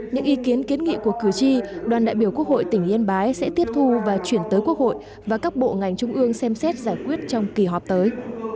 những ý kiến kiến nghị của cử tri đoàn đại biểu quốc hội tỉnh yên bái sẽ tiếp thu và chuyển tới quốc hội và các bộ ngành trung ương xem xét giải quyết trong kỳ họp tới